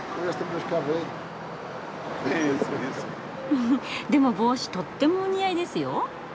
うふでも帽子とってもお似合いですよ。